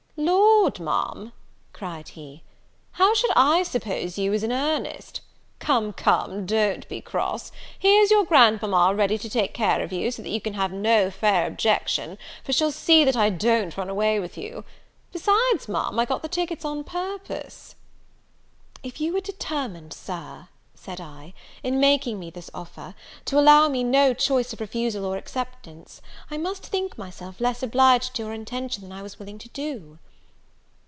"Lord, Ma'am," cried he, "how should I suppose you was in earnest? come, come, don't be cross; here's your Grandmama ready to take care of you, so you can have no fair objection, for she'll see that I don't run away with you. Besides, Ma'am, I got the tickets on purpose." "If you were determined, Sir," said I, "in making me this offer, to allow me no choice of refusal or acceptance, I must think myself less obliged to your intention than I was willing to do."